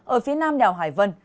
ở phía nam đèo hải vân